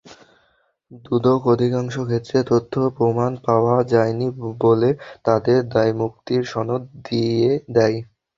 দুদক অধিকাংশ ক্ষেত্রে তথ্য-প্রমাণ পাওয়া যায়নি বলে তঁাদের দায়মুক্তির সনদ দিয়ে দেয়।